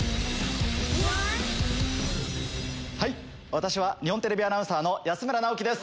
・私は日本テレビアナウンサーの安村直樹です。